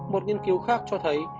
một nghiên cứu khác cho thấy